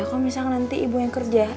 kalau misalnya nanti ibu yang kerja